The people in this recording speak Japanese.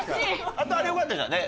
あとあれ良かったじゃんね。